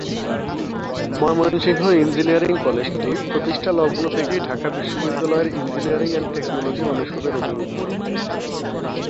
Mymensingh engineering কলেজটি প্রতিষ্ঠালগ্ন থেকেই ঢাকা বিশ্ববিদ্যালয়ের ইঞ্জিনিয়ারিং এন্ড টেকনোলজি অনুষদের অধিভূক্ত।